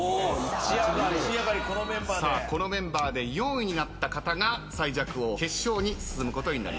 さあこのメンバーで４位になった方が最弱王決勝に進むことになります。